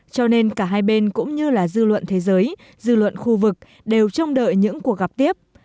cho nên cả hai bên cũng như là dư luận thế giới dư luận khu vực đều trông đợi những cuộc gặp tiếp